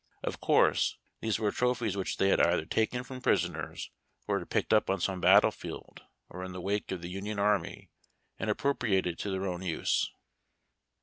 Of course, these Avere trophies which they had either taken from prisoners or had picked up on some battlefield or in the wake of the Union army, and appropriated to their own use.